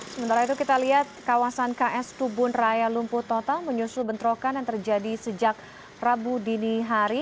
sementara itu kita lihat kawasan ks tubun raya lumpuh total menyusul bentrokan yang terjadi sejak rabu dini hari